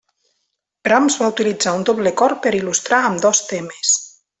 Brahms va utilitzar un doble cor per il·lustrar ambdós temes.